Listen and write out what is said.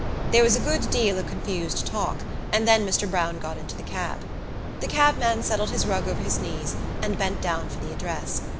There was a good deal of confused talk, and then Mr Browne got into the cab. The cabman settled his rug over his knees, and bent down for the address.